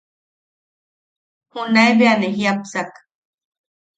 Junae bea ne jiʼapsak.